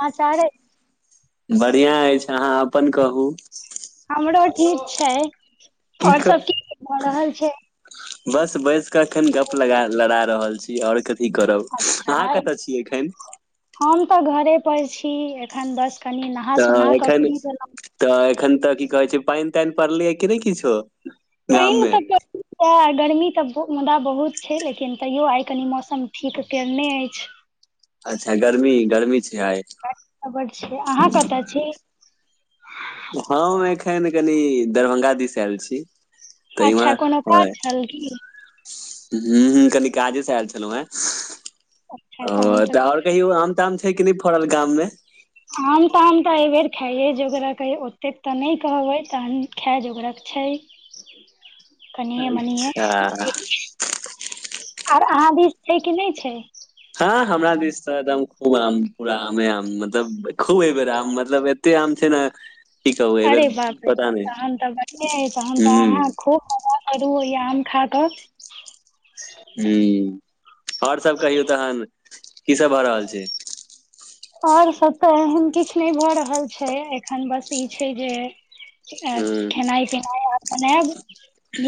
समाचार बढ़िया अछि अहाँ अपन कहू हमरो ठीक छै आओर सब की भऽ रहल छै बस बैस कऽ एखन गप लगा लड़ा रहल छी आओर क ई करब अहाँ अच्छा कतऽ छीयै एखन हम तऽ घरे पर छी एखन बस कनि नहा सोना तऽ एखन फिरीभेलो तऽ एखन तऽ की कहै छै पानि तानि पड़लै या कि नइ किछो गाम पैन‌ मे तऽ एआ गर्मी तऽ मुदा बहुत छै लेकिन तैयो आइ कनि मौसम ठीक कने अछि अच्छा गर्मी गर्मी छै आइ बड्ड छै अहाँ कतऽ छी हम एखन कनि दरभंगा दिस एल छी तऽ ईमे अच्छा कोनो काज हय छल की ह ह कनि काज [inaudible] आयल छलहु हे अच्छा तहन तऽ तऽ आओर कहियो आम ताम छै कि नहि फड़ल गाम मे आम ताम तऽ ऐबेर खाइेए जोगरक ऐ ओतेक तऽ ने कहबै तहन खाय जोगरक छै कनिए मनिए अच्छा आओर‌ अहाँ दिस छै कि नहि छै हँ हमरा दिस तऽ एकदम खूब आम पूरा आमे आम मत मतब खूब अइबेर आम मतलब एते आम छै ने की कहू एहि अरे बेर बाप रे बा पता नहि तहन तऽ बढ़िआ ह तहन तऽ हुं अहाँ खूब करू या आम खा कऽ ह ओर सब कहियौ तखन की सब भ रहल छै आओर सब तऽ एहन किछु नहि भऽ रहल छै एखन बस ई छै जे हुं खेनाइ पिनाइ आब बनायब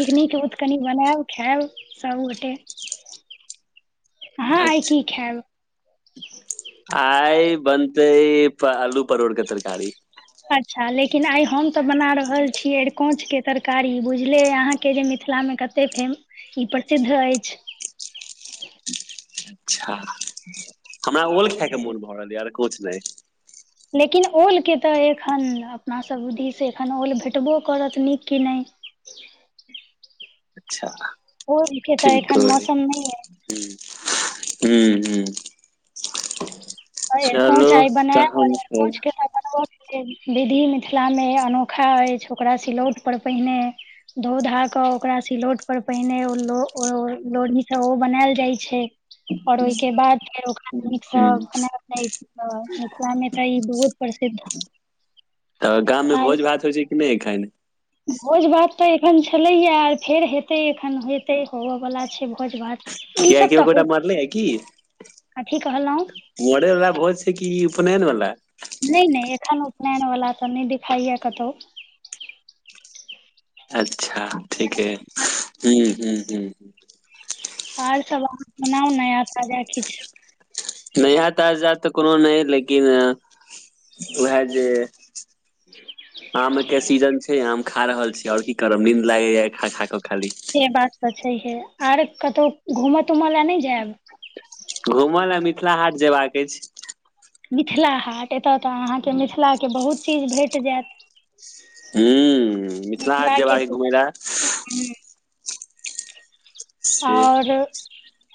नीक नीकोत तनि बनायब खायब सभगोटे अहा आइ की अच्छा खायब आइ बनते आलू प परोड़के तरकारी अच्छा लेकिन आइ हम तऽ बना रहल छी अरिकोंच के तरकारी बुझले अहाँ के जे मिथिलामे कते फेम ई प्रसिद्ध अछि अच्छा हमरा ओल खाायके मोन भऽ रहल य आरकोच ने लेकिन ओलके तऽ एखन अपनासभ दिसँ एखन ओल भेटबो करत नीक कि नइ अच्छा ओल के तऽ एखन मौसम नहि हय ह हू अइ चलू तहन फेर सब के विधि मिथिला मे अनोखा अछि ओकरा सिलौट पर पहिने धो धा कऽ ओकरा सिलौट पर पहिने ओ ओलोढ़ीसँ ओ बनायल जाइ छै आर ओइ के बाद फेर ओकरा नीक हुं सब बना मिथिला मे तऽ ई बहुत प्रसिद्ध तऽ गाममे आइ भोज भात होइ छै कि नहि एखन भोज भात तऽ एखन छेलैए आ फेर हेतै एखन हेतै होबयबला छै भोज भात ई कियाकि सब कियो तऽ गोटा होइत मरले य कि कथी कहलौं मरे बला भोज ई कि उपनैनवाला ने ने एखन उपनयन वाला तऽ नै देखाइया कतहु अच्छा ठीके हूं हूं हूं आर सब अहाँ सुनाउ नया ताजा किछु नइ हतास जात तऽ कोनो नइ लेकिन उएह जे आमे के सीजन छय है हम खा रहल छी आओर की करब नींन्द लागैया खा खाकऽ खाली से बात तऽ छैहे आर कतौ घूमऽ तूम लए नइ जायब घूमल लय मिथिला हाट जेबाक अछि मिथिला हाट एतय तऽ अहाँके मिथिलाके बहुत चीज भेट जैत ह मिथिला हाट मिथिलाके जेबाक घुमै लऽ हूँ से और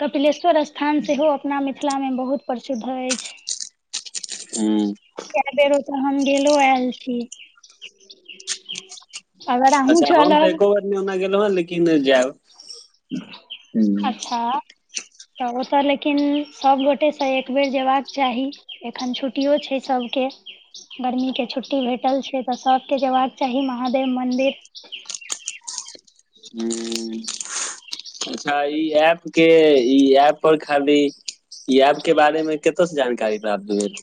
कपिलेश्वर स्थान सेहो अपना में मिथिला में बहुत प्रसिद्ध अछि हूँ कए बेर ओतऽ हम गेलो आयल छी अगर अहूँ अच्छा हम तऽ चलब एको बेर नय ओना गेलहुँ हे लेकिन जायब हूं हूं अच्छा तऽ ओतय लेकिन सभगोटेसँ एकबेर जेबाक चाही एखन छुट्टियो छय सभके गर्मी के छुट्टी भेटल छय त सबके जयबाक चाही महादेव मंदिर हं [inaudible] अच्छा ई एप के ई एऐप पर खाली ई ऐप के बारे में कत से जानकारी प्राप्त भेल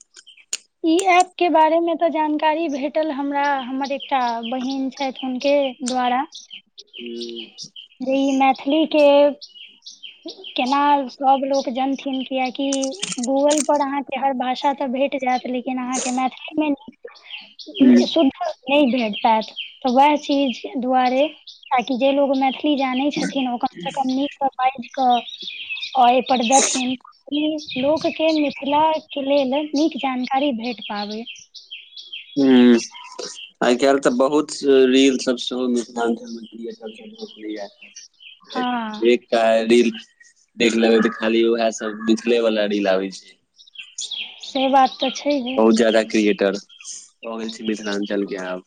ई ऐप के बारे मे तऽ जानकारी भेटल हमरा हमर एकटा बहिन छथि हुनके द्वारा हूं जे ई मैथिलीे के केना सब लोक जनथिन कियाकि गूगल पर अहाँके हर भाषा तऽ भेट जैत लेकिन अहाँके मैथिली ह में शुद्ध नइ भेट पात तऽ वएह चीज दुआरे ताकि जे लोक मैथिली जानैत छथिन ओ कमसँ कम नीकसँ बाइज कऽ आर अय पर दथिन लोकके मिथिलाके लेल नीक जानकारी भेट पाबइ हूँ आइ काल्हि तऽ बहुत रील सब सेहो मिथिलांचल में क्रिएटर सब भे एक हँ सेक रील देख लेबै तऽ खाली वएह सब देखखले मिथलेवाला रील आबे छय से बात तऽ छैहे बहुत जाददा क्रिकेटर भऽ गेल छै मिथिलाञ्चल के आब